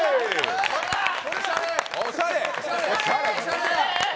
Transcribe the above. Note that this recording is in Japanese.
おしゃれ！